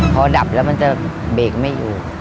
พอดับแล้วมันจะเบรกไม่อยู่